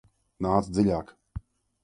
Nāc dziļāk!